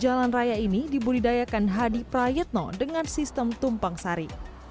jalan raya ini dibudidayakan hadi prayetno dengan sistem tumpang sari